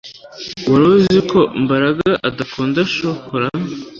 Wari uzi ko Mbaraga adakunda shokora